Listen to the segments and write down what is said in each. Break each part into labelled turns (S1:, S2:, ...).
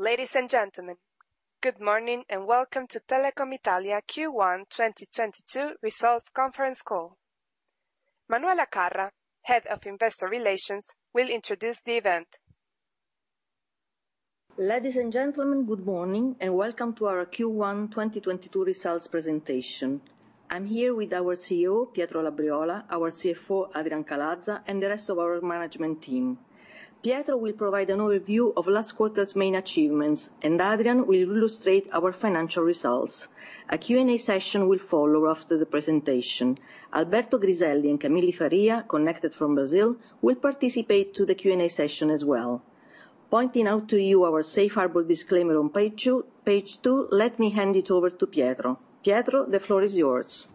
S1: Ladies and gentlemen, good morning and welcome to Telecom Italia Q1 2022 results conference call. Manuela Carra, Head of Investor Relations, will introduce the event.
S2: Ladies and gentlemen, good morning and welcome to our Q1 2022 results presentation. I'm here with our CEO, Pietro Labriola, our CFO, Adrian Calaza, and the rest of our management team. Pietro will provide an overview of last quarter's main achievements, and Adrian will illustrate our financial results. A Q and A session will follow after the presentation. Alberto Griselli and Camille Loyo Faria, connected from Brazil, will participate to the Q and A session as well. Pointing out to you our safe harbor disclaimer on page two, let me hand it over to Pietro. Pietro, the floor is yours.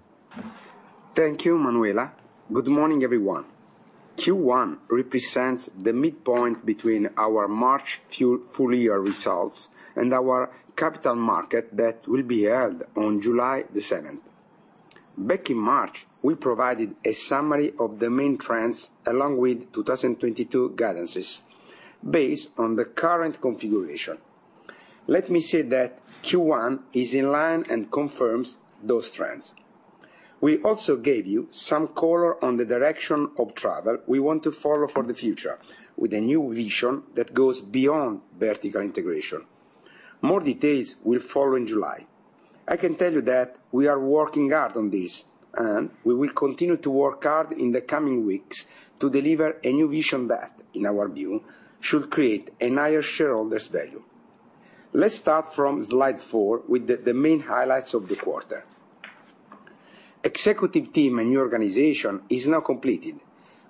S3: Thank you, Manuela. Good morning, everyone. Q1 represents the midpoint between our March full year results and our Capital Market Day that will be held on July the 7th. Back in March, we provided a summary of the main trends along with 2022 guidances based on the current configuration. Let me say that Q1 is in line and confirms those trends. We also gave you some color on the direction of travel we want to follow for the future with a new vision that goes beyond vertical integration. More details will follow in July. I can tell you that we are working hard on this, and we will continue to work hard in the coming weeks to deliver a new vision that, in our view, should create higher shareholder value. Let's start from slide four with the main highlights of the quarter. Executive team and new organization is now completed.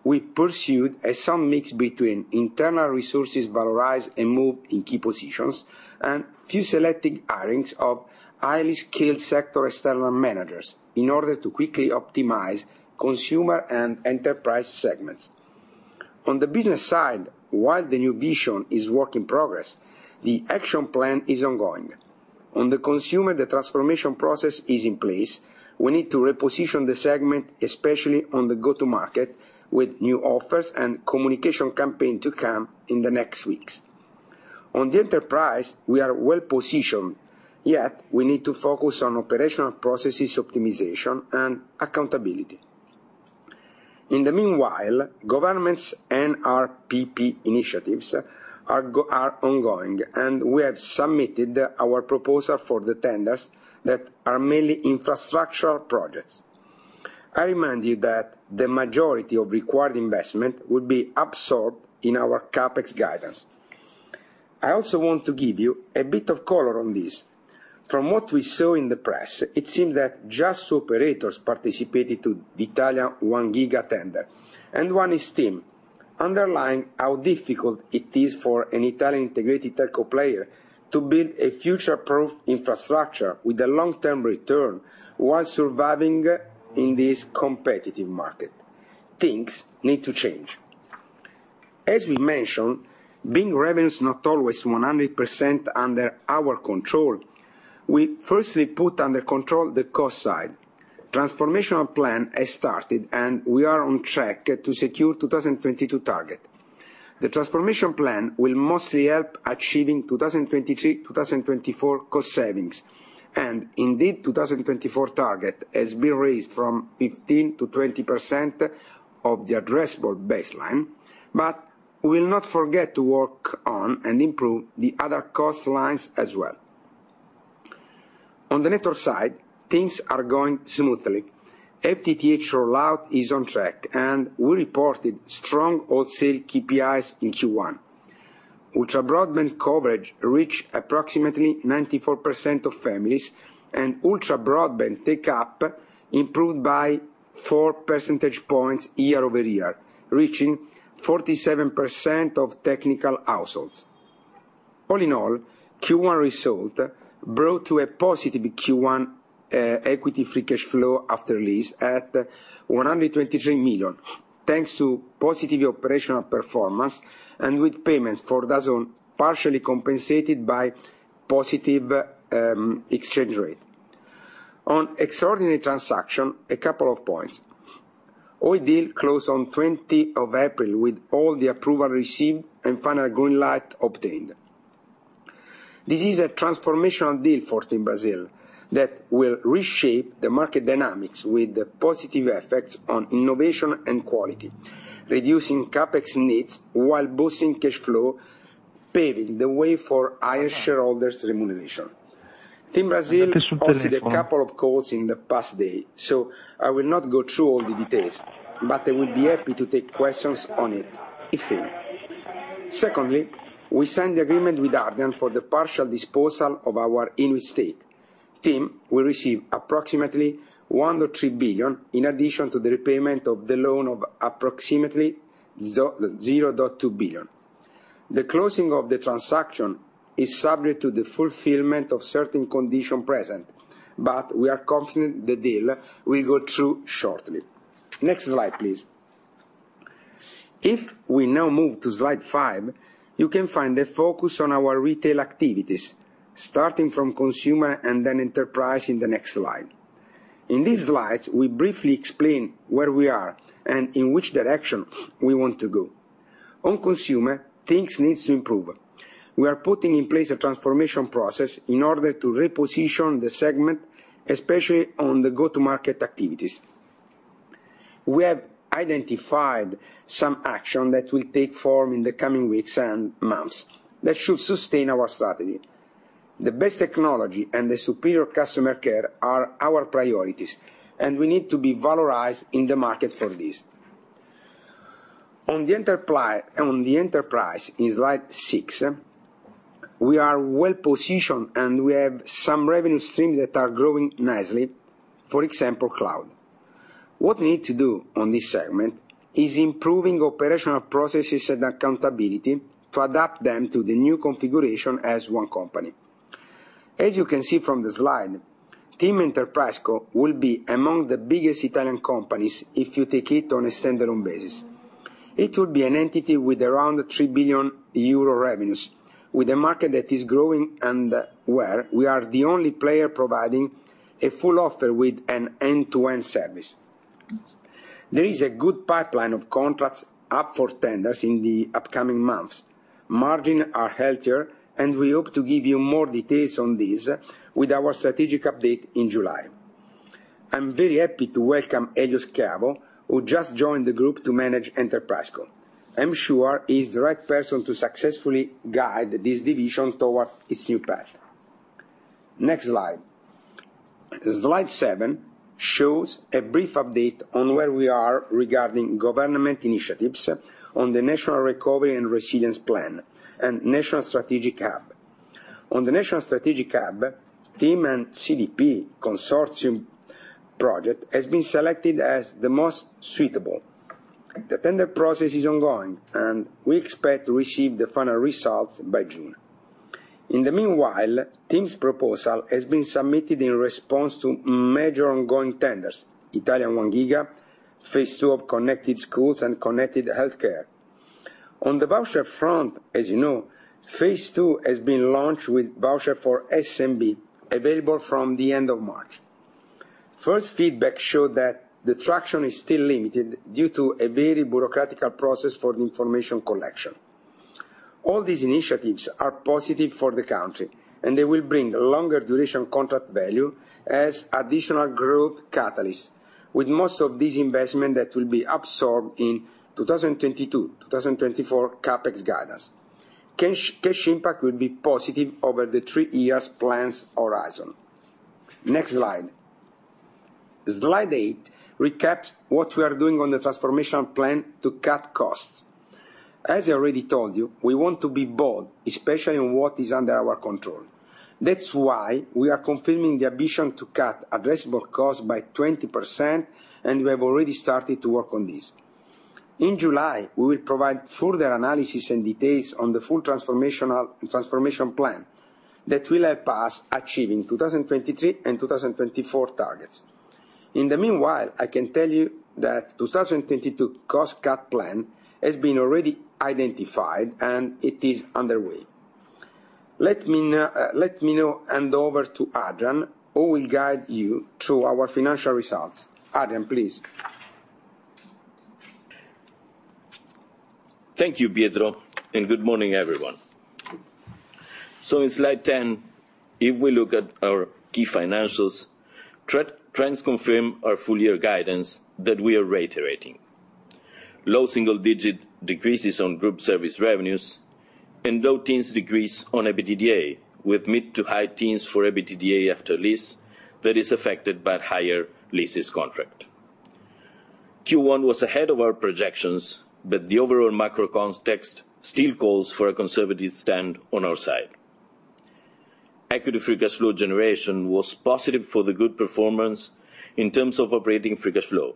S3: We pursued some mix between internal resources valorized and moved in key positions and few selected hirings of highly skilled sector external managers in order to quickly optimize consumer and enterprise segments. On the business side, while the new vision is work in progress, the action plan is ongoing. On the consumer, the transformation process is in place. We need to reposition the segment, especially on the go-to-market, with new offers and communication campaign to come in the next weeks. On the enterprise, we are well-positioned, yet we need to focus on operational processes optimization and accountability. In the meanwhile, government's NRRP initiatives are ongoing, and we have submitted our proposal for the tenders that are mainly infrastructural projects. I remind you that the majority of required investment will be absorbed in our CapEx guidance. I also want to give you a bit of color on this. From what we saw in the press, it seems that just operators participated to the Italia 1 Giga tender and one is TIM, underlying how difficult it is for an Italian integrated telco player to build a future-proof infrastructure with a long-term return while surviving in this competitive market. Things need to change. As we mentioned, being revenues not always 100% under our control, we firstly put under control the cost side. Transformation plan has started, and we are on track to secure 2022 target. The transformation plan will mostly help achieving 2023, 2024 cost savings. Indeed, 2024 target has been raised from 15%-20% of the addressable baseline, but we'll not forget to work on and improve the other cost lines as well. On the network side, things are going smoothly. FTTH rollout is on track, and we reported strong wholesale KPIs in Q1. Ultra broadband coverage reached approximately 94% of families, and ultra broadband take-up improved by 4 percentage points year-over-year, reaching 47% of technical households. All in all, Q1 result brought to a positive Q1 equity free cash flow after lease at 123 million, thanks to positive operational performance and with payments for DAZN, partially compensated by positive exchange rate. On extraordinary transaction, a couple of points. Oi deal closed on April 20 with all the approval received and final green light obtained. This is a transformational deal for TIM Brasil that will reshape the market dynamics with the positive effects on innovation and quality, reducing CapEx needs while boosting cash flow, paving the way for higher shareholders remuneration. TIM Brasil also had a couple of calls in the past day, so I will not go through all the details, but I will be happy to take questions on it if any. Secondly, we signed the agreement with Ardian for the partial disposal of our INWIT. TIM will receive approximately 1.3 billion in addition to the repayment of the loan of approximately 0.2 billion. The closing of the transaction is subject to the fulfillment of certain conditions precedent, but we are confident the deal will go through shortly. Next slide, please. If we now move to slide five, you can find the focus on our retail activities, starting from consumer and then enterprise in the next slide. In these slides, we briefly explain where we are and in which direction we want to go. On consumer, things needs to improve. We are putting in place a transformation process in order to reposition the segment, especially on the go-to-market activities. We have identified some action that will take form in the coming weeks and months that should sustain our strategy. The best technology and the superior customer care are our priorities, and we need to be valorized in the market for this. On the enterprise in slide six, we are well-positioned, and we have some revenue streams that are growing nicely, for example, cloud. What we need to do on this segment is improving operational processes and accountability to adapt them to the new configuration as one company. As you can see from the slide, TIM Enterprise will be among the biggest Italian companies if you take it on a standalone basis. It will be an entity with around 3 billion euro revenues, with a market that is growing and where we are the only player providing a full offer with an end-to-end service. There is a good pipeline of contracts up for tenders in the upcoming months. Margins are healthier, and we hope to give you more details on this with our strategic update in July. I'm very happy to welcome Elio Schiavo, who just joined the group to manage TIM Enterprise. I'm sure he's the right person to successfully guide this division towards its new path. Next slide. Slide seven shows a brief update on where we are regarding government initiatives on the National Recovery and Resilience Plan and Polo Strategico Nazionale. On the Polo Strategico Nazionale, TIM and CDP consortium project has been selected as the most suitable. The tender process is ongoing, and we expect to receive the final results by June. In the meanwhile, TIM's proposal has been submitted in response to major ongoing tenders, Italia 1 Giga, phase II of Connected Schools and Connected Healthcare. On the voucher front, as you know, phase II has been launched with voucher for SMB available from the end of March. First feedback showed that the traction is still limited due to a very bureaucratic process for the information collection. All these initiatives are positive for the country, and they will bring longer duration contract value as additional growth catalyst, with most of this investment that will be absorbed in 2022/2024 CapEx guidance. Cash impact will be positive over the three years plan's horizon. Next slide. Slide eight recaps what we are doing on the transformation plan to cut costs. As I already told you, we want to be bold, especially on what is under our control. That's why we are confirming the ambition to cut addressable costs by 20%, and we have already started to work on this. In July, we will provide further analysis and details on the full transformation plan that will help us achieving 2023 and 2024 targets. In the meanwhile, I can tell you that 2022 cost cut plan has been already identified, and it is underway. Let me now hand over to Adrian, who will guide you through our financial results. Adrian, please.
S4: Thank you, Pietro, and good morning, everyone. In slide 10, if we look at our key financials, trends confirm our full year guidance that we are reiterating. Low single-digit decreases on group service revenues and low teens decrease on EBITDA, with mid- to high-teens for EBITDA after lease that is affected by higher leases contract. Q1 was ahead of our projections, but the overall macro context still calls for a conservative stand on our side. Equity free cash flow generation was positive for the good performance in terms of operating free cash flow.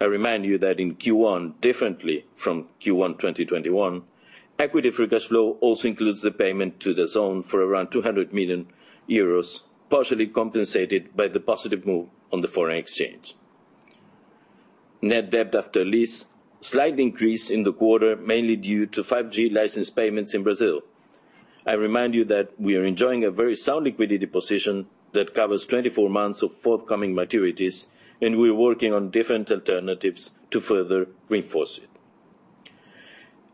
S4: I remind you that in Q1, differently from Q1 2021, equity free cash flow also includes the payment to DAZN for around 200 million euros, partially compensated by the positive move on the foreign exchange. Net debt after lease, slight increase in the quarter, mainly due to 5G license payments in Brazil. I remind you that we are enjoying a very sound liquidity position that covers 24 months of forthcoming maturities, and we're working on different alternatives to further reinforce it.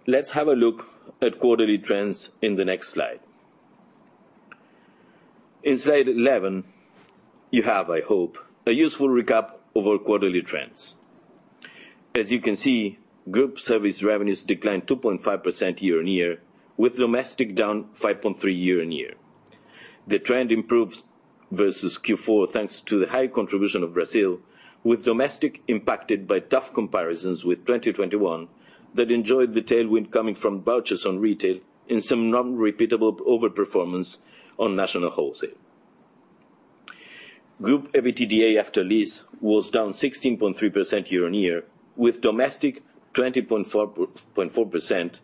S4: Let's have a look at quarterly trends in the next slide. In slide 11, you have, I hope, a useful recap of our quarterly trends. As you can see, group service revenues declined 2.5% year-on-year, with domestic down 5.3% year-on-year. The trend improves versus Q4, thanks to the high contribution of Brazil, with domestic impacted by tough comparisons with 2021 that enjoyed the tailwind coming from vouchers on retail and some non-repeatable overperformance on national wholesale. Group EBITDA after lease was down 16.3% year-on-year, with domestic 20.4%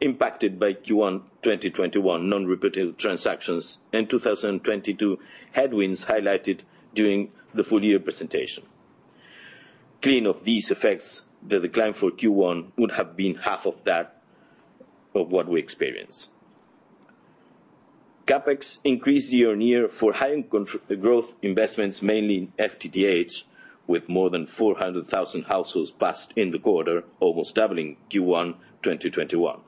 S4: impacted by Q1 2021 non-repeatable transactions and 2022 headwinds highlighted during the full year presentation. Clean of these effects, the decline for Q1 would have been half of that of what we experienced. CapEx increased year-on-year for high growth investments, mainly in FTTH, with more than 400,000 households passed in the quarter, almost doubling Q1 2021.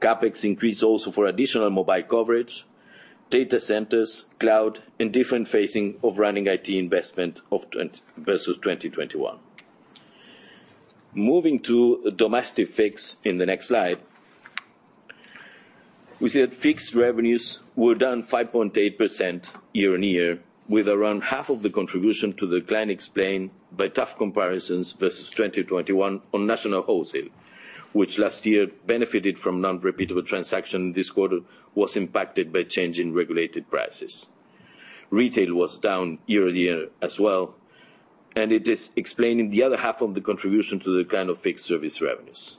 S4: CapEx increased also for additional mobile coverage, data centers, cloud, and different phasing of running IT investment of 2022 versus 2021. Moving to domestic fixed in the next slide. We see that fixed revenues were down 5.8% year-on-year, with around half of the contribution to decline explained by tough comparisons versus 2021 on national wholesale. Which last year benefited from non-repeatable transaction this quarter was impacted by change in regulated prices. Retail was down year-on-year as well, and it is explaining the other half of the contribution to the decline of fixed service revenues.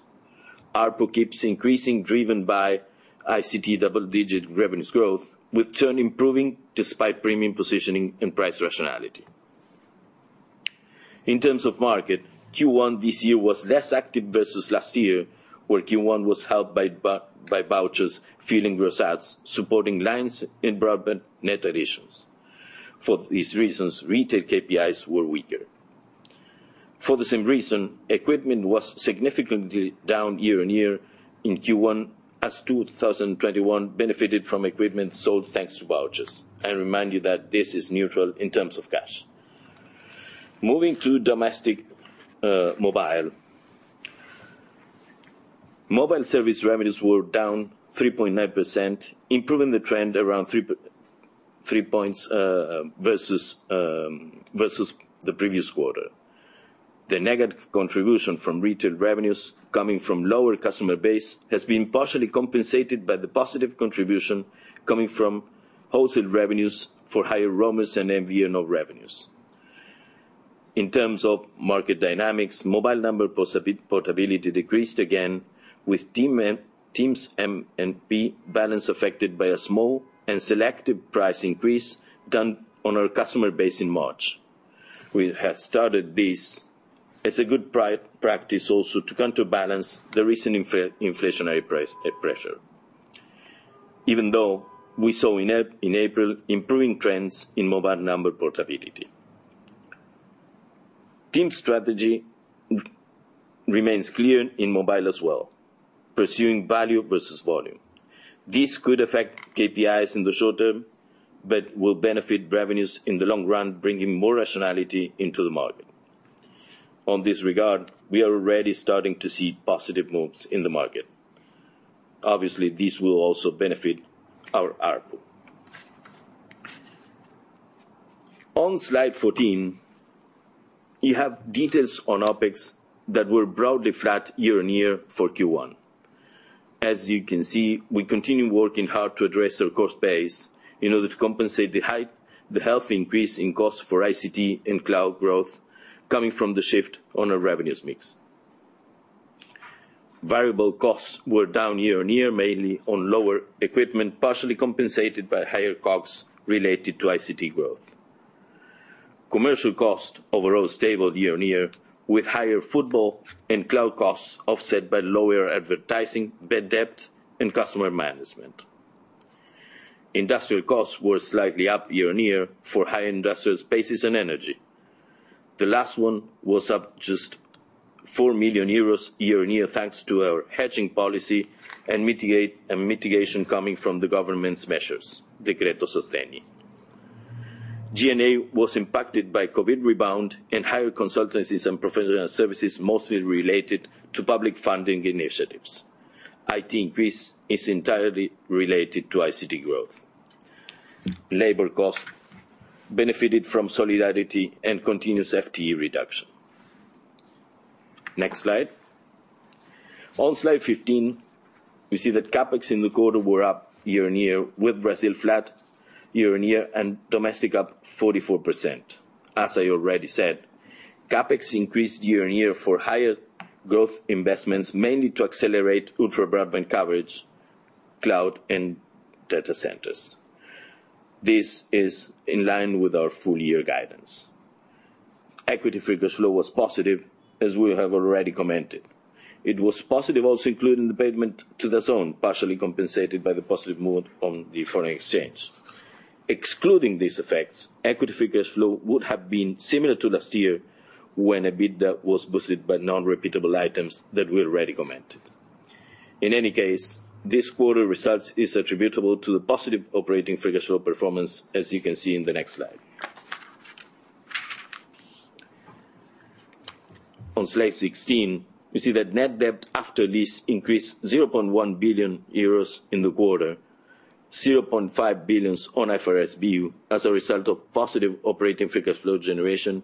S4: ARPU keeps increasing, driven by ICT double-digit revenues growth, with churn improving despite premium positioning and price rationality. In terms of market, Q1 this year was less active versus last year, where Q1 was helped by by vouchers fueling results, supporting lines in broadband net additions. For these reasons, retail KPIs were weaker. For the same reason, equipment was significantly down year-on-year in Q1, as 2021 benefited from equipment sold thanks to vouchers. I remind you that this is neutral in terms of cash. Moving to domestic mobile. Mobile service revenues were down 3.9%, improving the trend around three points versus the previous quarter. The negative contribution from retail revenues coming from lower customer base has been partially compensated by the positive contribution coming from wholesale revenues for higher roaming and MVNO revenues. In terms of market dynamics, mobile number portability decreased again, with TIM's MNP balance affected by a small and selective price increase done on our customer base in March. We have started this as a good practice also to counterbalance the recent inflationary price pressure. Even though we saw in April improving trends in mobile number portability. TIM's strategy remains clear in mobile as well, pursuing value versus volume. This could affect KPIs in the short term, but will benefit revenues in the long run, bringing more rationality into the market. In this regard, we are already starting to see positive moves in the market. Obviously, this will also benefit our ARPU. On slide 14, you have details on OpEx that were broadly flat year-on-year for Q1. As you can see, we continue working hard to address our cost base in order to compensate the hefty increase in costs for ICT and cloud growth coming from the shift in our revenue mix. Variable costs were down year-on-year, mainly on lower equipment, partially compensated by higher COGS related to ICT growth. Commercial costs overall stable year-on-year, with higher football and cloud costs offset by lower advertising, bad debt, and customer management. Industrial costs were slightly up year-on-year due to higher industrial expenses and energy. The last one was up just 4 million euros year-on-year, thanks to our hedging policy and mitigation coming from the government's measures, Decreto Sostegni. G&A was impacted by COVID rebound and higher consultancies and professional services mostly related to public funding initiatives. IT increase is entirely related to ICT growth. Labor costs benefited from solidarity and continuous FTE reduction. Next slide. On slide 15, you see that CapEx in the quarter were up year-on-year, with Brazil flat year-on-year and domestic up 44%. As I already said, CapEx increased year-on-year for higher growth investments, mainly to accelerate ultra-broadband coverage, cloud, and data centers. This is in line with our full year guidance. Equity free cash flow was positive, as we have already commented. It was positive also including the payment to INWIT, partially compensated by the positive move on the foreign exchange. Excluding these effects, equity free cash flow would have been similar to last year when EBITDA was boosted by non-repeatable items that we already commented. In any case, this quarter results is attributable to the positive operating free cash flow performance, as you can see in the next slide. On slide 16, you see that net debt after lease increased 0.1 billion euros in the quarter, 0.5 billion on IFRS 16 as a result of positive operating free cash flow generation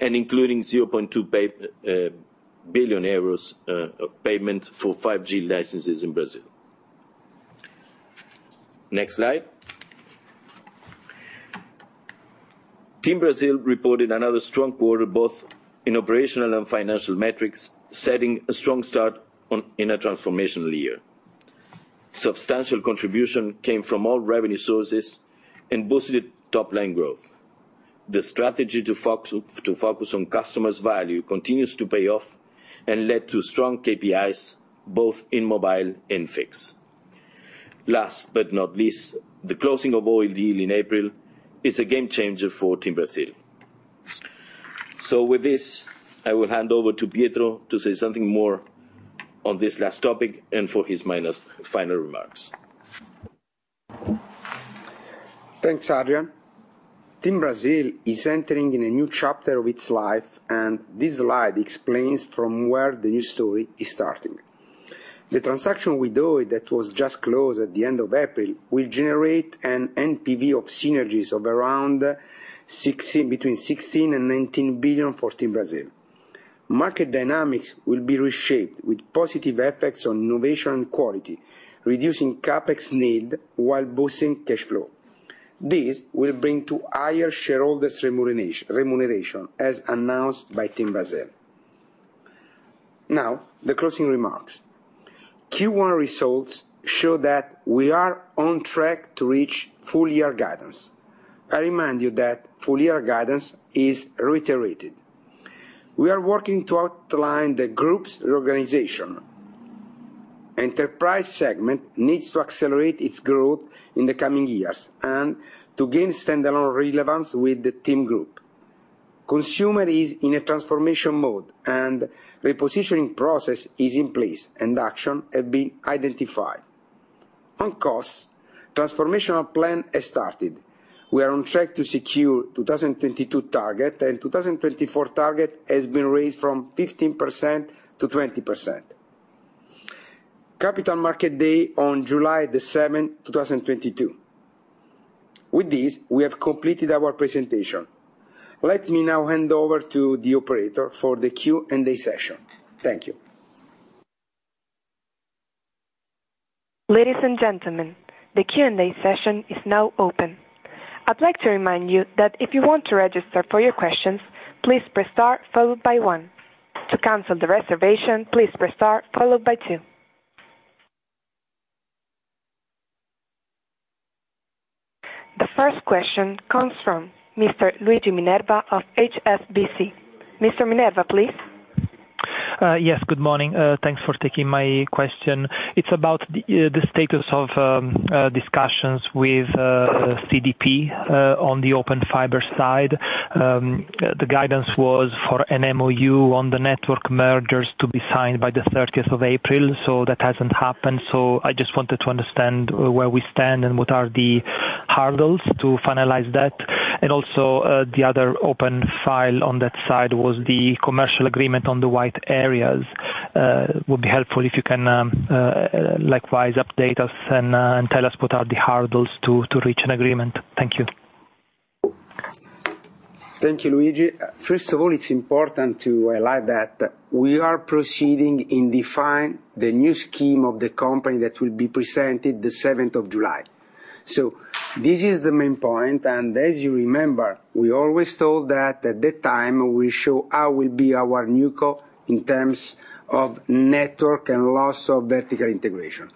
S4: and including 0.2 billion euros payment for 5G licenses in Brazil. Next slide. TIM Brasil reported another strong quarter, both in operational and financial metrics, setting a strong start in a transformational year. Substantial contribution came from all revenue sources and boosted top-line growth. The strategy to focus on customer value continues to pay off and led to strong KPIs both in mobile and fixed. Last but not least, the closing of Oi deal in April is a game changer for TIM Brasil. With this, I will hand over to Pietro to say something more on this last topic and for his final remarks.
S3: Thanks, Adrian. TIM Brasil is entering in a new chapter of its life, and this slide explains from where the new story is starting. The transaction with Oi that was just closed at the end of April will generate an NPV of synergies of around 600 million, between 1.6 billion and 1.9 billion for TIM Brasil. Market dynamics will be reshaped with positive effects on innovation and quality, reducing CapEx need while boosting cash flow. This will bring to higher shareholders remuneration as announced by TIM Brasil. Now, the closing remarks. Q1 results show that we are on track to reach full year guidance. I remind you that full year guidance is reiterated. We are working to outline the group's reorganization. Enterprise segment needs to accelerate its growth in the coming years and to gain standalone relevance with the TIM group. Consumer is in a transformation mode and repositioning process is in place, and action have been identified. On costs, transformational plan has started. We are on track to secure 2022 target, and 2024 target has been raised from 15% to 20%. Capital Market Day on July 7, 2022. With this, we have completed our presentation. Let me now hand over to the operator for the Q and A session. Thank you.
S1: Ladies and gentlemen, the Q and A session is now open. I'd like to remind you that if you want to register for your questions, please press star followed by one. To cancel the reservation, please press star followed by two. The first question comes from Mr. Luigi Minerva of HSBC. Mr. Minerva, please.
S5: Yes, good morning. Thanks for taking my question. It's about the status of discussions with CDP on the Open Fiber side. The guidance was for an MoU on the network mergers to be signed by the thirtieth of April, that hasn't happened. I just wanted to understand where we stand and what are the hurdles to finalize that. Also, the other open file on that side was the commercial agreement on the white areas. Would be helpful if you can likewise update us and tell us what are the hurdles to reach an agreement. Thank you.
S3: Thank you, Luigi. First of all, it's important to highlight that we are proceeding to define the new scheme of the company that will be presented the seventh of July. This is the main point, and as you remember, we always told that at that time we show how will be our new core in terms of network and loss of vertical integration.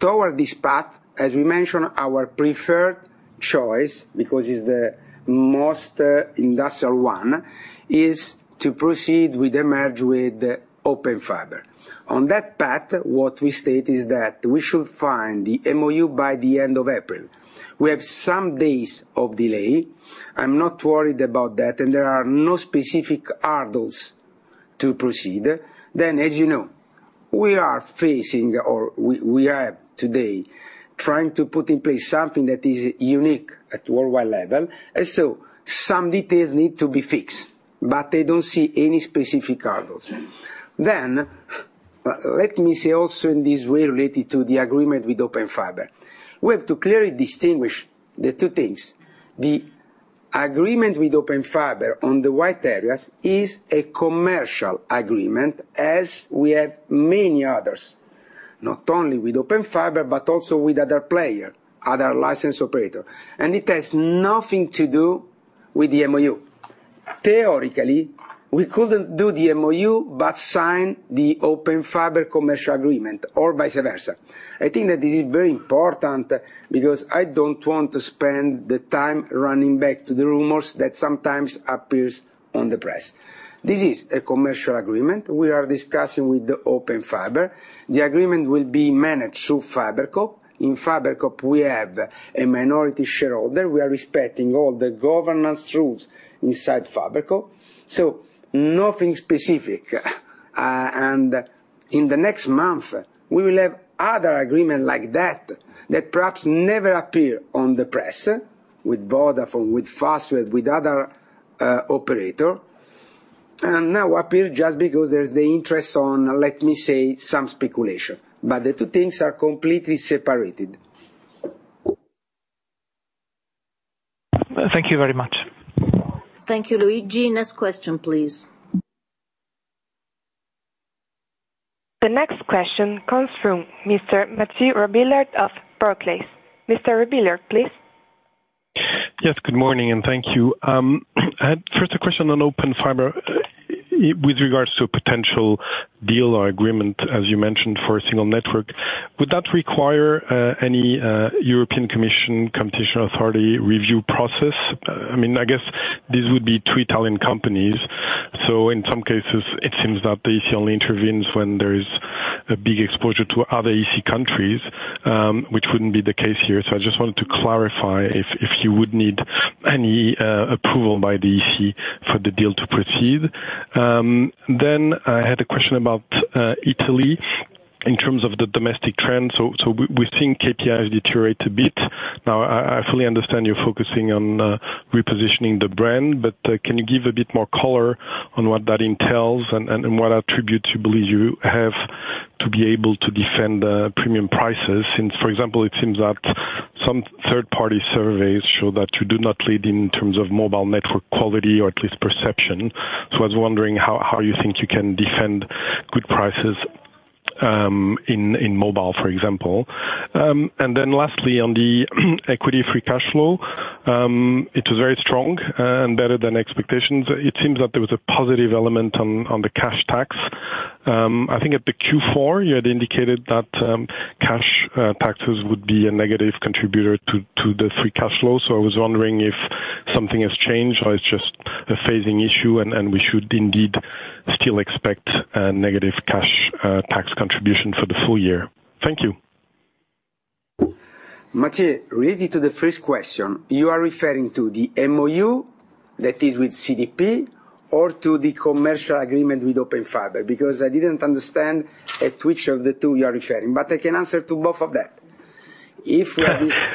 S3: Toward this path, as we mentioned, our preferred choice, because it's the most, industrial one, is to proceed with the merger with Open Fiber. On that path, what we state is that we should find the MoU by the end of April. We have some days of delay. I'm not worried about that, and there are no specific hurdles to proceed. As you know, we are today trying to put in place something that is unique at worldwide level. Some details need to be fixed, but I don't see any specific hurdles. Let me say also in this way related to the agreement with Open Fiber, we have to clearly distinguish the two things. The agreement with Open Fiber on the white areas is a commercial agreement, as we have many others, not only with Open Fiber, but also with other players, other licensed operators, and it has nothing to do with the MoU. Theoretically, we couldn't do the MoU but sign the Open Fiber commercial agreement or vice versa. I think that this is very important because I don't want to spend the time running back to the rumors that sometimes appear on the press. This is a commercial agreement we are discussing with Open Fiber. The agreement will be managed through FiberCop. In FiberCop, we have a minority shareholder. We are respecting all the governance rules inside FiberCop, so nothing specific. In the next month, we will have other agreement like that that perhaps never appear on the press with Vodafone, with Fastweb, with other operator, and now appear just because there's the interest on, let me say, some speculation. The two things are completely separated.
S5: Thank you very much.
S2: Thank you, Luigi. Next question, please.
S1: The next question comes from Mr. Mathieu Robilliard of Barclays. Mr. Robilliard, please.
S6: Yes, good morning, and thank you. I had first a question on Open Fiber. With regards to a potential deal or agreement, as you mentioned, for a single network, would that require any European Commission Competition Authority review process? I mean, I guess these would be three Italian companies, so in some cases it seems that the EC only intervenes when there is a big exposure to other EC countries, which wouldn't be the case here. I just wanted to clarify if you would need any approval by the EC for the deal to proceed. I had a question about Italy in terms of the domestic trends. We're seeing KPIs deteriorate a bit. Now, I fully understand you're focusing on repositioning the brand, but can you give a bit more color on what that entails and what attributes you believe you have to be able to defend premium prices? Since, for example, it seems that some third-party surveys show that you do not lead in terms of mobile network quality, or at least perception. I was wondering how you think you can defend good prices in mobile, for example. Lastly, on the equity free cash flow, it was very strong and better than expectations. It seems that there was a positive element on the cash tax. I think at the Q4 you had indicated that cash taxes would be a negative contributor to the free cash flow. I was wondering if something has changed or it's just a phasing issue and we should indeed still expect a negative cash tax contribution for the full year. Thank you.
S3: Mathieu, related to the first question, you are referring to the MOU that is with CDP or to the commercial agreement with Open Fiber? Because I didn't understand which of the two you are referring. But I can answer to both of that. If this.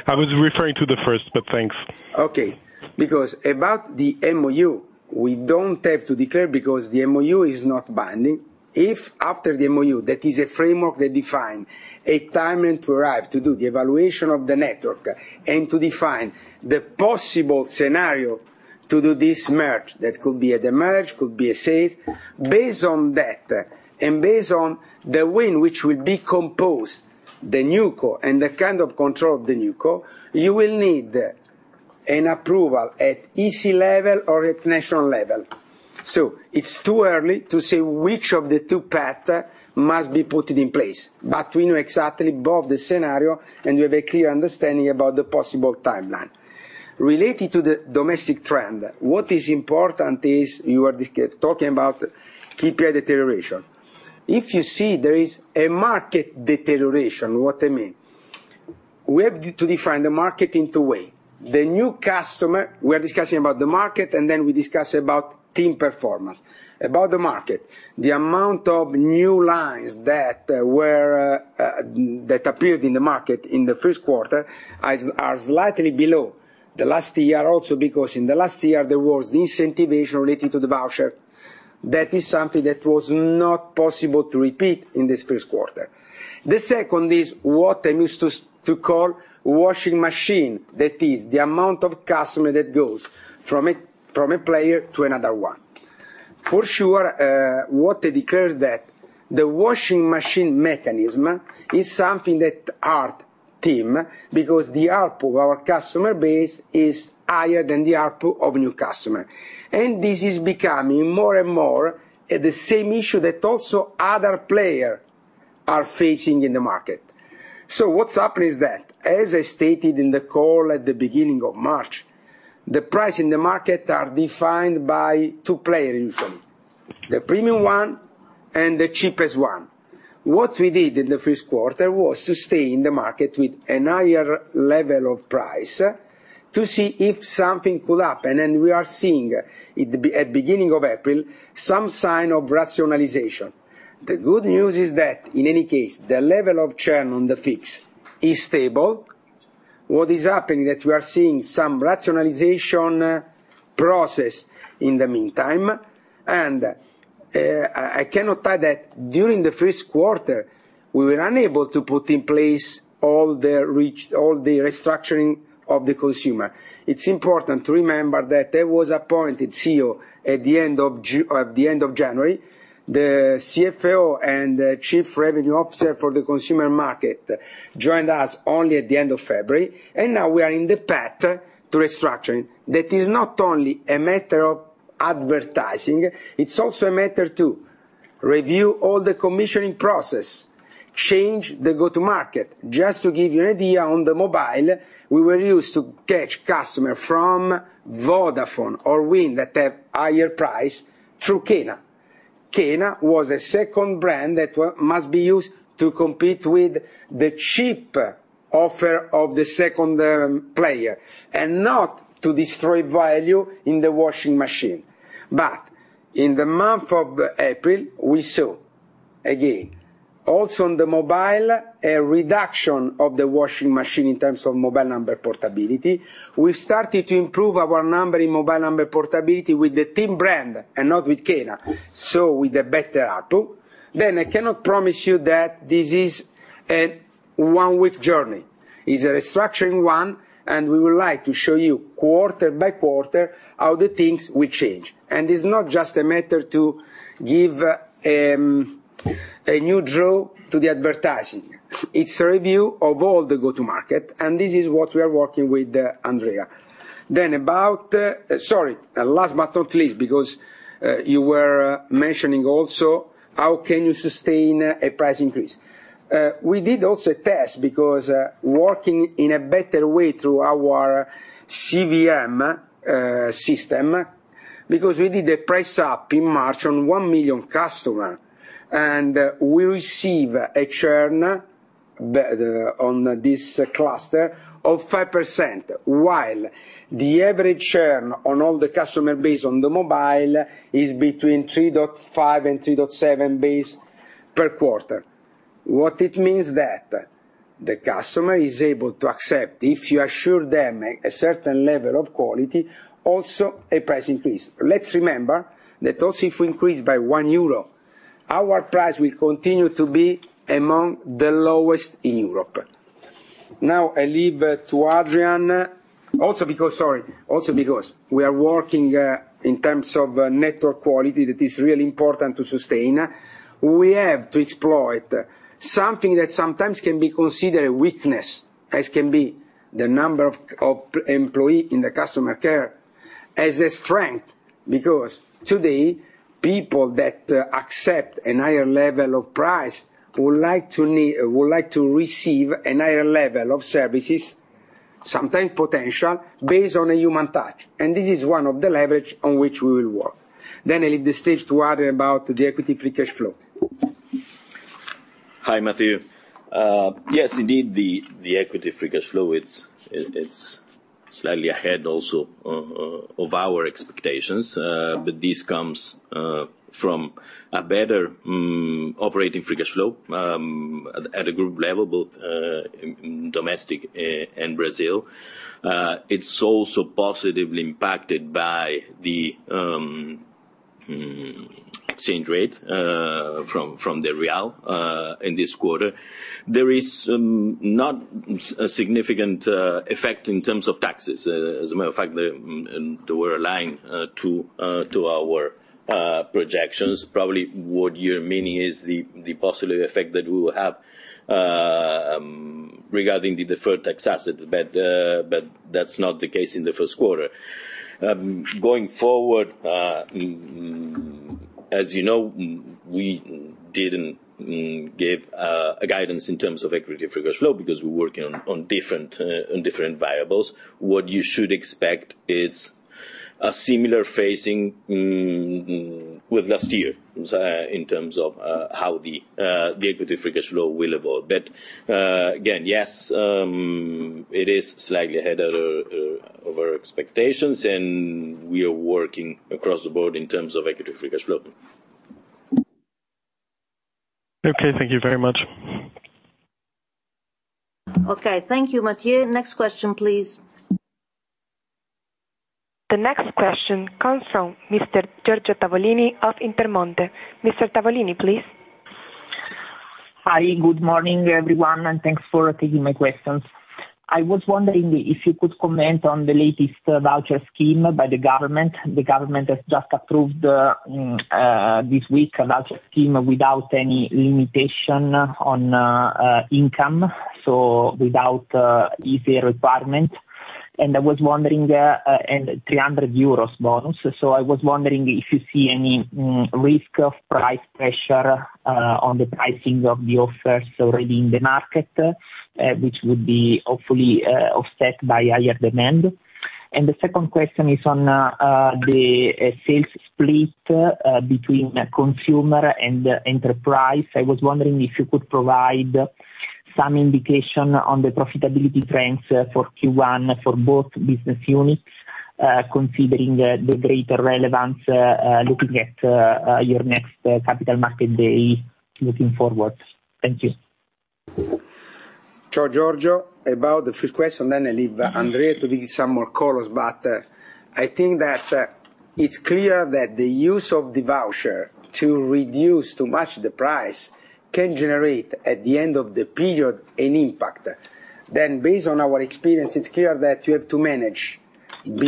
S6: I was referring to the first, but thanks.
S3: Okay. Because about the MoU, we don't have to declare because the MoU is not binding. If after the MoU, that is a framework that define a timing to arrive to do the evaluation of the network and to define the possible scenario to do this merge, that could be at the merge, could be a sale. Based on that, and based on the way in which the new co will be composed and the kind of control of the new co, you will need an approval at EC level or at national level. It's too early to say which of the two path must be put in place. We know exactly both the scenario and we have a clear understanding about the possible timeline. Related to the domestic trend, what is important is you are talking about KPI deterioration. If you see there is a market deterioration, what I mean? We have to define the market in two ways. The new customer, we are discussing about the market, and then we discuss about TIM performance. About the market, the amount of new lines that appeared in the market in the first quarter are slightly below last year. Also because in last year there was incentivization related to the voucher. That is something that was not possible to repeat in this first quarter. The second is what I'm used to to call washing machine. That is the amount of customer that goes from a player to another one. For sure, what I declare that the washing machine mechanism is something that hurt TIM because the ARPU of our customer base is higher than the ARPU of new customer. This is becoming more and more, the same issue that also other players are facing in the market. What's happened is that, as I stated in the call at the beginning of March, the prices in the market are defined by two players usually, the premium one and the cheapest one. What we did in the first quarter was to stay in the market with a higher level of price to see if something could happen, and we are seeing at beginning of April some sign of rationalization. The good news is that, in any case, the level of churn on the fixed is stable. What is happening that we are seeing some rationalization process in the meantime. I cannot hide that during the first quarter, we were unable to put in place all the restructuring of the consumer. It's important to remember that I was appointed CEO at the end of January. The CFO and the Chief Revenue Officer for the consumer market joined us only at the end of February, and now we are in the path to restructuring. That is not only a matter of advertising, it's also a matter to review all the commissioning process, change the go-to-market. Just to give you an idea on the mobile, we were used to catch customer from Vodafone or Wind that have higher price through Kena. Kena was a second brand that must be used to compete with the cheap offer of the second player and not to destroy value in the mass market. In the month of April, we saw again, also on the mobile, a reduction of the mass market in terms of mobile number portability. We started to improve our number in mobile number portability with the TIM brand and not with Kena. With a better ARPU. I cannot promise you that this is a one-week journey. It's a restructuring one, and we would like to show you quarter by quarter how the things will change. It's not just a matter to give a new draw to the advertising. It's a review of all the go-to-market, and this is what we are working with, Andrea. About... Sorry, last but not least, because you were mentioning also how can you sustain a price increase. We did also a test because working in a better way through our CVM system, because we did a price up in March on 1 million customer, and we receive a churn on this cluster of 5%, while the average churn on all the customer base on the mobile is between 3.5%-3.7% per quarter. What it means that the customer is able to accept, if you assure them a certain level of quality, also a price increase. Let's remember that also if we increase by 1 euro, our price will continue to be among the lowest in Europe. Now I leave to Adrian. Sorry, also because we are working in terms of network quality that is really important to sustain, we have to exploit something that sometimes can be considered a weakness, as can be the number of employees in customer care, as a strength, because today people that accept a higher level of price would like to receive a higher level of services, sometimes potential, based on a human touch, and this is one of the leverage on which we will work. I leave the stage to Adrian about the equity free cash flow.
S4: Hi, Mathieu. Yes, indeed, the equity free cash flow, it's slightly ahead also of our expectations, but this comes from a better operating free cash flow at a group level, both in domestic and Brazil. It's also positively impacted by the exchange rate from the real in this quarter. There is not a significant effect in terms of taxes. As a matter of fact, they were aligned to our projections. Probably what you're meaning is the possible effect that we will have regarding the deferred tax asset, but that's not the case in the first quarter. Going forward, as you know, we didn't give a guidance in terms of equity free cash flow because we're working on different variables. What you should expect is a similar phasing with last year's in terms of how the equity free cash flow will evolve. Again, yes, it is slightly ahead of our expectations, and we are working across the board in terms of equity free cash flow.
S1: Okay, thank you very much.
S2: Okay, thank you, Mathieu. Next question, please.
S1: The next question comes from Mr. Giorgio Tavolini of Intermonte. Mr. Tavolini, please.
S7: Hi, good morning, everyone, and thanks for taking my questions. I was wondering if you could comment on the latest voucher scheme by the government. The government has just approved this week a voucher scheme without any limitation on income, so without means-tested requirement and EUR 300 bonus. I was wondering if you see any risk of price pressure on the pricing of the offers already in the market, which would hopefully be offset by higher demand. The second question is on the sales split between consumer and enterprise. I was wondering if you could provide some indication on the profitability trends for Q1 for both business units, considering the greater relevance looking at your next Capital Market Day looking forward. Thank you.
S3: Sure, Giorgio. About the first question, then I leave Adrian to give some more colors, but, I think that, it's clear that the use of the voucher to reduce too much the price can generate, at the end of the period, an impact. Based on our experience, it's clear that you have to manage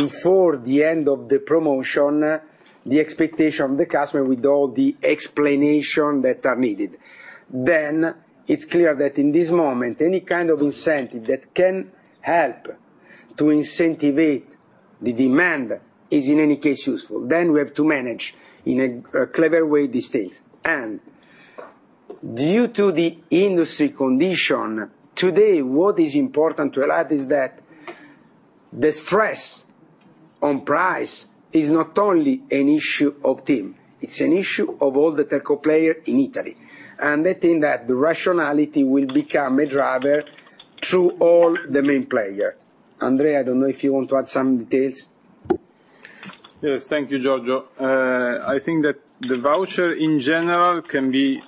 S3: before the end of the promotion the expectation of the customer with all the explanation that are needed. It's clear that in this moment, any kind of incentive that can help to incentivize the demand is in any case useful. We have to manage in a, clever way these things. Due to the industry condition, today, what is important to add is that the stress on price is not only an issue of TIM, it's an issue of all the telco player in Italy. I think that the rationality will become a driver through all the main players. Adrian, I don't know if you want to add some details.
S4: Yes. Thank you, Giorgio. I think that the voucher in general can be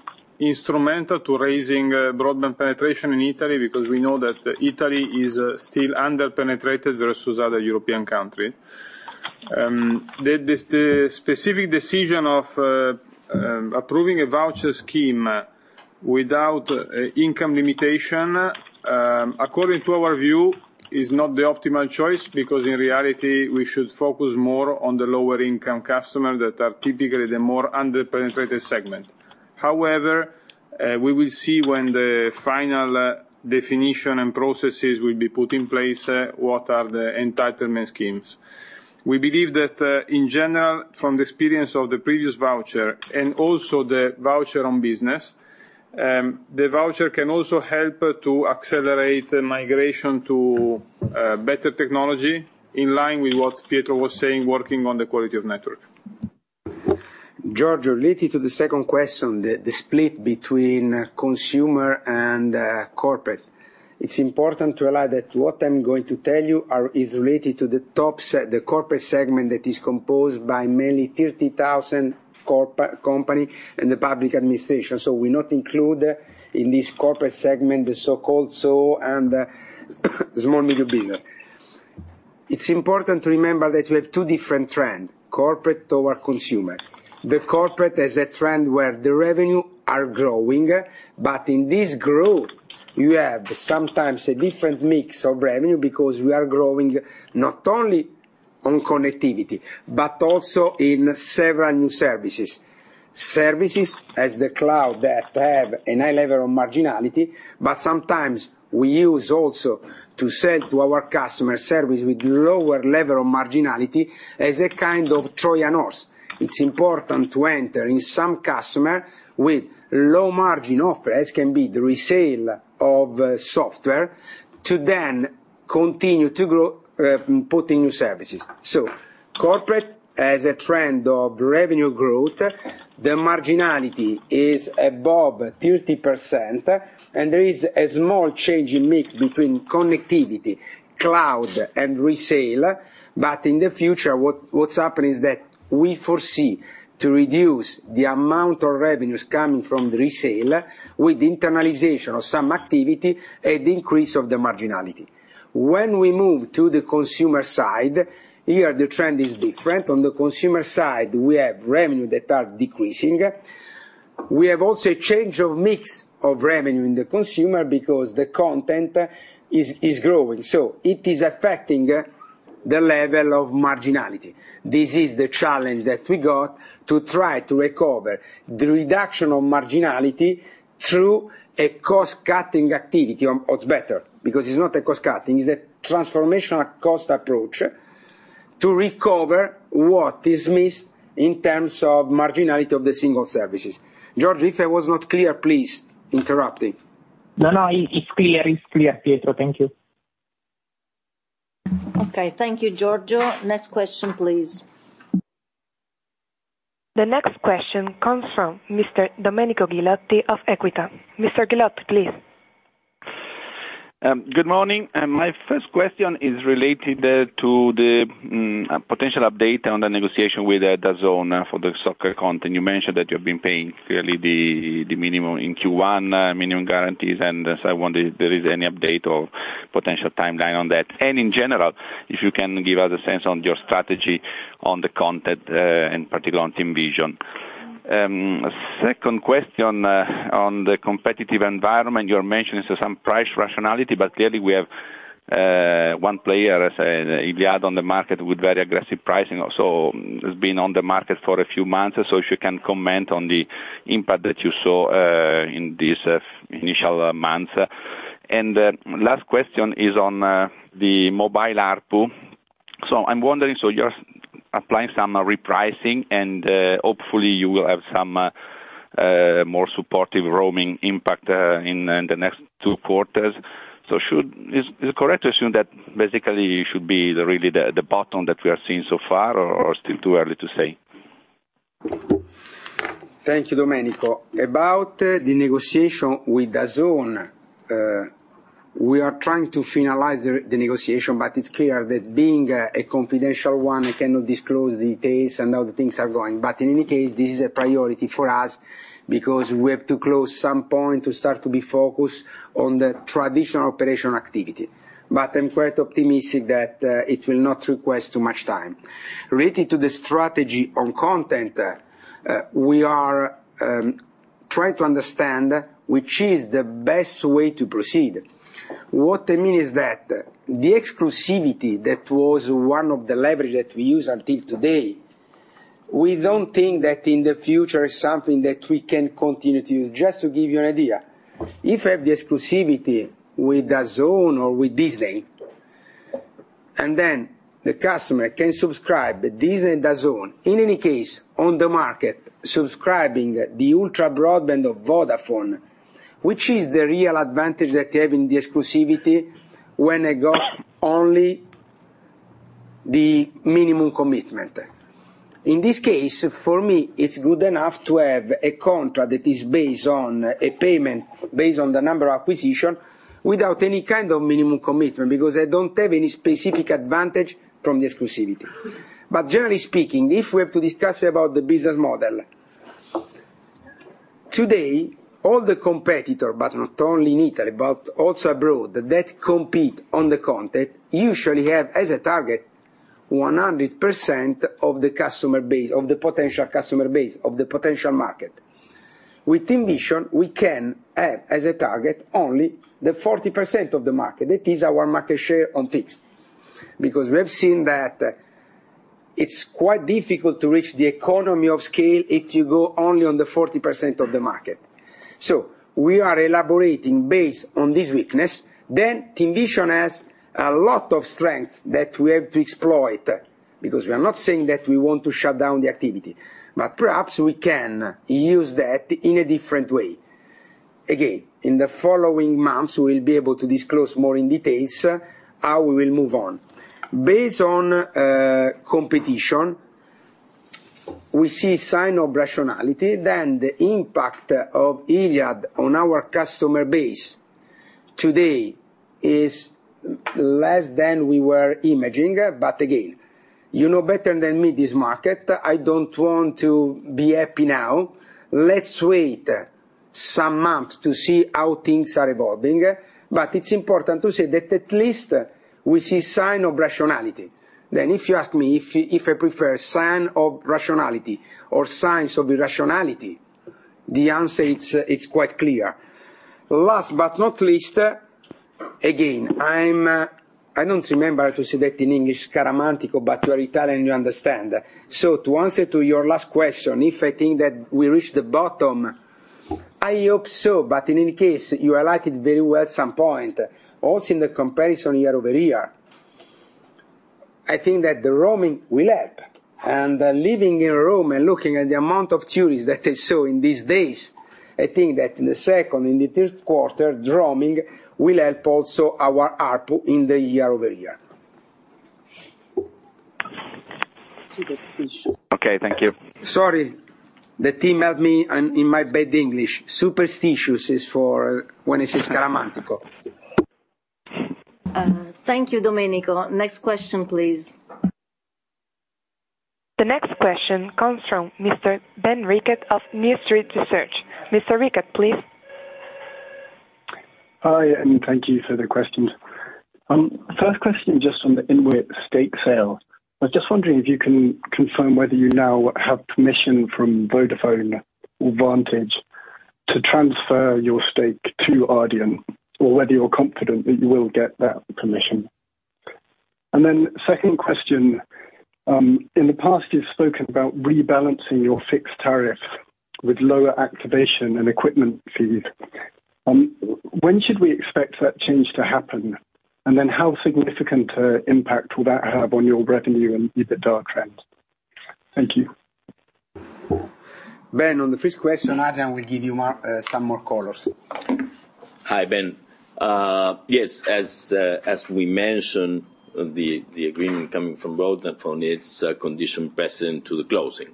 S4: instrumental to raising broadband penetration in Italy, because we know that Italy is still under-penetrated versus other European country. The specific decision of approving a voucher scheme without income limitation, according to our view, is not the optimal choice because in reality, we should focus more on the lower income customer that are typically the more under-penetrated segment. However, we will see when the final definition and processes will be put in place what are the entitlement schemes. We believe that in general, from the experience of the previous voucher and also the voucher on business, the voucher can also help to accelerate the migration to better technology in line with what Pietro was saying, working on the quality of network.
S3: Giorgio, related to the second question, the split between consumer and corporate. It's important to realize that what I'm going to tell you is related to the corporate segment that is composed by mainly 30,000 companies and the public administration. We not include in this corporate segment the so-called small-medium business. It's important to remember that we have two different trends, corporate or consumer. The corporate has a trend where the revenue are growing, but in this growth, you have sometimes a different mix of revenue because we are growing not only on connectivity, but also in several new services. Services such as the cloud that have a high level of marginality, but sometimes we use also to sell to our customers services with lower level of marginality as a kind of Trojan Horse. It's important to enter in some customer with low margin offers, can be the resale of software to then continue to grow, putting new services. Corporate has a trend of revenue growth. The marginality is above 30%, and there is a small change in mix between connectivity, cloud and resale. In the future, what's happening is that we foresee to reduce the amount of revenues coming from the resale with internalization of some activity and increase of the marginality. When we move to the consumer side, here, the trend is different. On the consumer side, we have revenue that are decreasing. We have also a change of mix of revenue in the consumer because the content is growing, so it is affecting the level of marginality. This is the challenge that we got to try to recover the reduction of marginality through a cost-cutting activity or it's better because it's not a cost cutting, it's a transformational cost approach to recover what is missed in terms of marginality of the single services. Giorgio, if I was not clear, please interrupt me.
S7: No, no, it's clear. It's clear, Pietro. Thank you.
S2: Okay. Thank you, Giorgio. Next question, please.
S1: The next question comes from Mr. Domenico Ghilotti of Equita. Mr. Ghilotti, please.
S8: Good morning. My first question is related to the potential update on the negotiation with DAZN for the soccer content. You mentioned that you've been paying fairly the minimum in Q1 minimum guarantees, and so I wonder if there is any update or potential timeline on that. In general, if you can give us a sense on your strategy on the content, in particular on TIMvision. Second question on the competitive environment. You're mentioning some price rationality, but clearly we have one player as Iliad on the market with very aggressive pricing also has been on the market for a few months. So if you can comment on the impact that you saw in this initial months. Last question is on the mobile ARPU. I'm wondering, you're applying some repricing and hopefully you will have some more supportive roaming impact in the next two quarters. Is it correct to assume that basically it should be the real bottom that we are seeing so far or still too early to say?
S3: Thank you, Domenico. About the negotiation with DAZN, we are trying to finalize the negotiation, but it's clear that being a confidential one, I cannot disclose details and how the things are going. In any case, this is a priority for us because we have to close some point to start to be focused on the traditional operational activity. I'm quite optimistic that it will not request too much time. Related to the strategy on content, we are trying to understand which is the best way to proceed. What I mean is that the exclusivity that was one of the leverage that we use until today, we don't think that in the future is something that we can continue to use. Just to give you an idea, if we have the exclusivity with DAZN or with Disney, and then the customer can subscribe Disney and DAZN, in any case on the market, subscribing the ultra broadband of Vodafone, which is the real advantage that you have in the exclusivity when I got only the minimum commitment. In this case, for me, it's good enough to have a contract that is based on a payment based on the number acquisition without any kind of minimum commitment, because I don't have any specific advantage from the exclusivity. Generally speaking, if we have to discuss about the business model, today, all the competitor, but not only in Italy, but also abroad, that compete on the content usually have as a target 100% of the customer base, of the potential customer base, of the potential market. With TIMvision, we can have as a target only the 40% of the market. That is our market share on fixed. Because we have seen that it's quite difficult to reach the economy of scale if you go only on the 40% of the market. We are elaborating based on this weakness. TIMvision has a lot of strengths that we have to exploit, because we are not saying that we want to shut down the activity, but perhaps we can use that in a different way. Again, in the following months, we'll be able to disclose more in detail how we will move on. Based on competition, we see sign of rationality, then the impact of Iliad on our customer base today is less than we were imagining. Again, you know better than me this market. I don't want to be happy now. Let's wait some months to see how things are evolving. It's important to say that at least we see sign of rationality. If you ask me if I prefer sign of rationality or signs of irrationality, the answer it's quite clear. Last but not least, again, I don't remember how to say that in English, scaramantico, but you are Italian, you understand. To answer to your last question, if I think that we reached the bottom, I hope so, but in any case, you highlighted very well at some point, also in the comparison year-over-year, I think that the roaming will help. Living in Rome and looking at the amount of tourists that I saw in these days, I think that in the second and the third quarter, the roaming will help also our ARPU in the year-over-year.
S2: Superstitious.
S8: Okay. Thank you.
S3: Sorry. The team helped me in my bad English. Superstitious is for when it is scaramantico.
S2: Thank you, Domenico. Next question, please.
S1: The next question comes from Mr. Ben Rickett of New Street Research. Mr. Rickett, please.
S9: Hi, and thank you for the questions. First question, just on the INWIT stake sale. I was just wondering if you can confirm whether you now have permission from Vodafone or Vantage to transfer your stake to Ardian or whether you're confident that you will get that permission. Second question, in the past, you've spoken about rebalancing your fixed tariff with lower activation and equipment fees. When should we expect that change to happen? How significant impact will that have on your revenue and EBITDA trends? Thank you.
S3: Ben, on the first question, Adrian Calaza will give you some more colors.
S4: Hi, Ben. Yes, as we mentioned, the agreement coming from Vodafone is a condition precedent to the closing.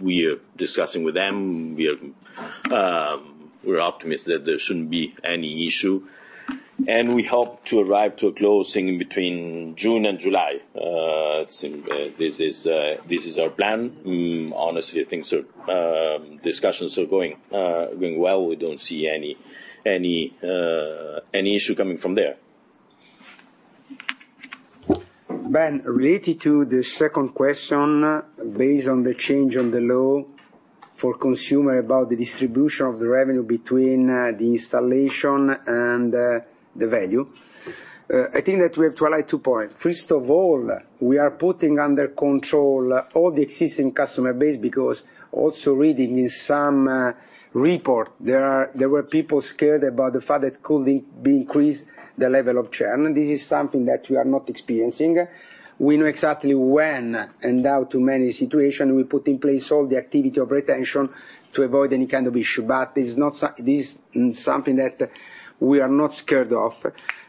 S4: We are discussing with them. We're optimistic that there shouldn't be any issue. We hope to arrive to a closing between June and July. This is our plan. Honestly, discussions are going well. We don't see any issue coming from there.
S3: Ben, related to the second question, based on the change in the law for consumers about the distribution of the revenue between the installation and the value, I think that we have to highlight two points. First of all, we are putting under control all the existing customer base because also reading in some report, there were people scared about the fact that it could decrease the level of churn. This is something that we are not experiencing. We know exactly when and how to manage the situation. We put in place all the activities of retention to avoid any kind of issue. This is not something that we are not scared of.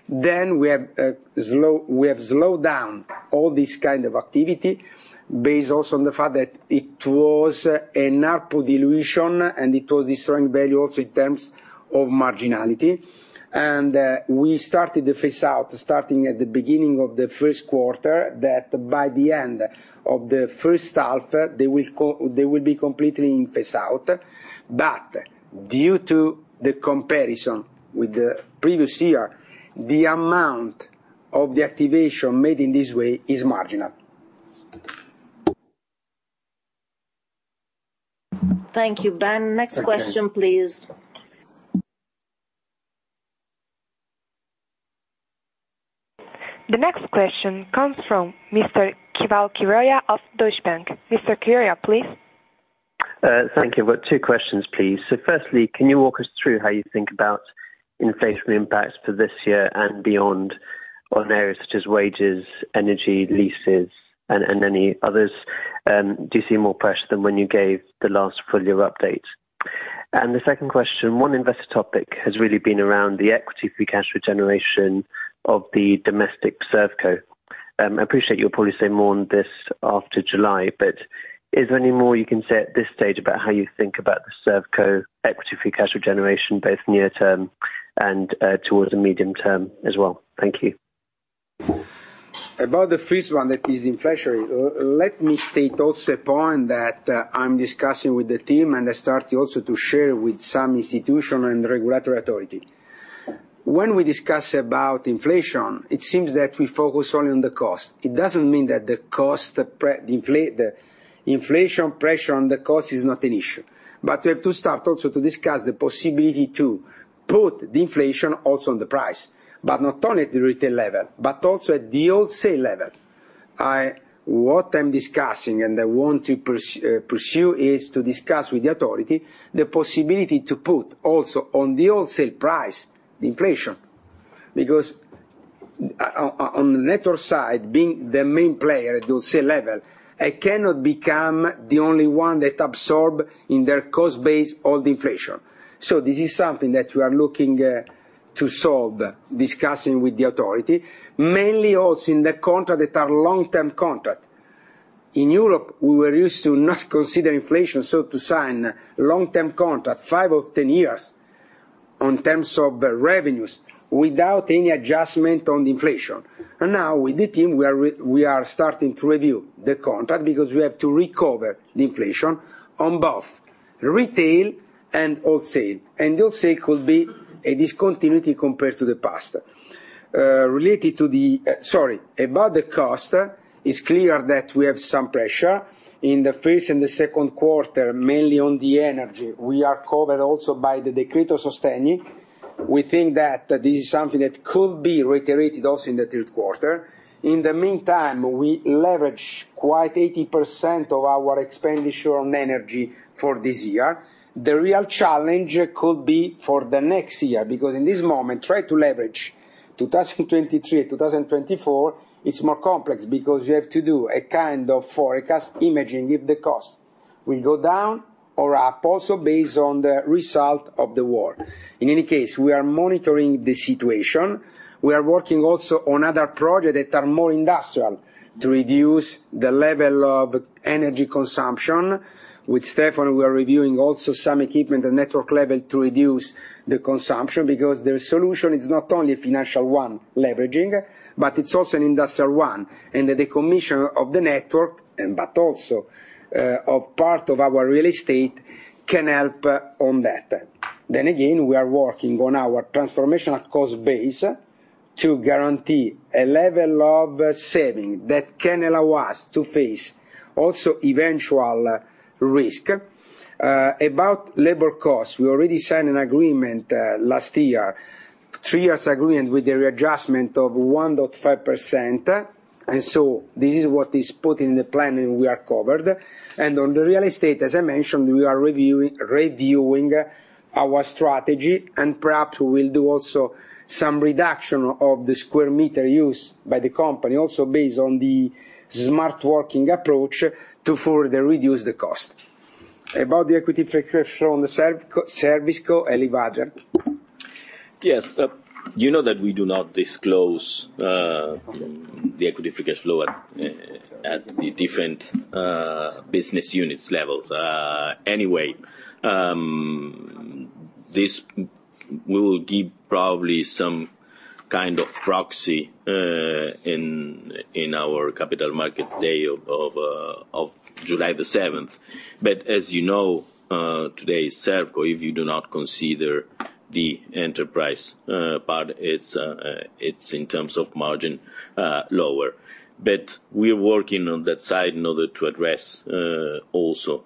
S3: We have slowed down all this kind of activity based also on the fact that it was an ARPU dilution, and it was destroying value also in terms of marginality. We started the phase out starting at the beginning of the first quarter, that by the end of the first half, they will be completely in phase out. Due to the comparison with the previous year, the amount of the activation made in this way is marginal.
S2: Thank you, Ben. Next question, please.
S1: The next question comes from Mr. Keval Khiroya of Deutsche Bank. Mr. Khiroya, please.
S10: Thank you. I've got two questions, please. Firstly, can you walk us through how you think about inflationary impacts for this year and beyond on areas such as wages, energy, leases and any others? Do you see more pressure than when you gave the last full year update? The second question, one investor topic has really been around the equity free cash flow generation of the domestic ServCo. I appreciate you'll probably say more on this after July, but is there any more you can say at this stage about how you think about the ServCo equity free cash flow generation, both near term and towards the medium term as well? Thank you.
S3: About the first one that is inflation, let me state also a point that I'm discussing with the team, and I start also to share with some institution and regulatory authority. When we discuss about inflation, it seems that we focus only on the cost. It doesn't mean that the inflation pressure on the cost is not an issue. We have to start also to discuss the possibility to put the inflation also on the price, but not only at the retail level, but also at the wholesale level. What I'm discussing, and I want to pursue, is to discuss with the authority the possibility to put also on the wholesale price the inflation. Because on the network side, being the main player at the wholesale level, I cannot become the only one that absorb in their cost base all the inflation. This is something that we are looking to solve, discussing with the authority, mainly also in the contract that are long-term contract. In Europe, we were used to not consider inflation, so to sign long-term contract, five or 10 years, on terms of revenues without any adjustment on the inflation. Now with the team, we are starting to review the contract because we have to recover the inflation on both retail and wholesale, and wholesale could be a discontinuity compared to the past. About the cost, it's clear that we have some pressure. In the first and second quarter, mainly on the energy, we are covered also by the Decreto Sostegni. We think that this is something that could be reiterated also in the third quarter. In the meantime, we leverage quite 80% of our expenditure on energy for this year. The real challenge could be for the next year, because in this moment, try to leverage 2023 to 2024, it's more complex because you have to do a kind of forecast, imagining if the cost will go down or up, also based on the result of the war. In any case, we are monitoring the situation. We are working also on other project that are more industrial to reduce the level of energy consumption. With Stefano, we are reviewing also some equipment at network level to reduce the consumption because the solution is not only a financial one, leveraging, but it's also an industrial one. The decommissioning of the network, but also, of part of our real estate can help on that. We are working on our transformational cost base to guarantee a level of saving that can allow us to face also eventual risk. About labor costs, we already signed an agreement last year, three years agreement with the readjustment of 1.5%. This is what is put in the plan, and we are covered. On the real estate, as I mentioned, we are reviewing our strategy, and perhaps we will do also some reduction of the square meter used by the company, also based on the smart working approach to further reduce the cost. About the equity free cash flow on the ServCo, Adrian Calaza.
S4: Yes. You know that we do not disclose the equity free cash flow at the different business units levels. Anyway, we will give probably some kind of proxy in our Capital Market Day of July 7. As you know, today, ServCo, if you do not consider the enterprise part, it's in terms of margin lower. We are working on that side in order to address also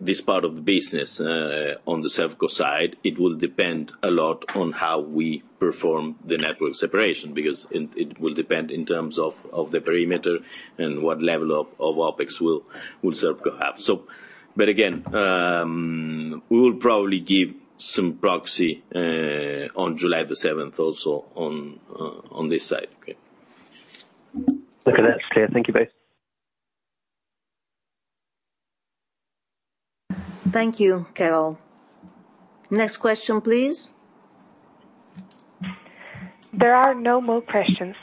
S4: this part of the business on the ServCo side. It will depend a lot on how we perform the network separation because it will depend in terms of the perimeter and what level of OpEx will ServCo have. Again, we will probably give some proxy on July 7th also on this side. Okay. Okay. That's clear. Thank you both.
S2: Thank you, Keval. Next question, please.
S1: There are no more questions.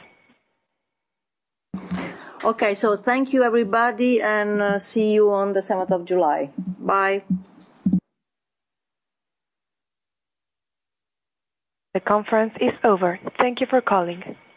S2: Okay. Thank you, everybody, and see you on the 7th of July. Bye.
S1: The conference is over. Thank you for calling.